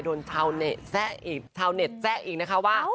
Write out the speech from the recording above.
โดนเช่าเน็ตแจ๊ะอีกนะคะว่า